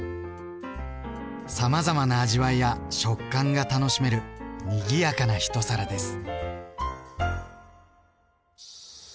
さまざまな味わいや食感が楽しめるにぎやかな一皿です。